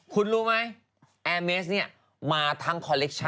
คุณรู้มั้ยแอร์เมสเนี่ยมาทั้งคอลเลคชั่น